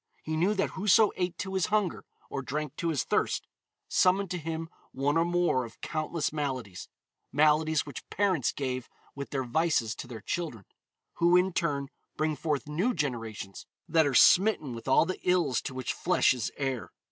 He knew that whoso ate to his hunger, or drank to his thirst, summoned to him one or more of countless maladies maladies which parents gave with their vices to their children, who, in turn, bring forth new generations that are smitten with all the ills to which flesh is heir.